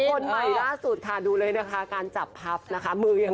คนใหม่ล่าสุดค่ะดูเลยการจับพรับนะคะ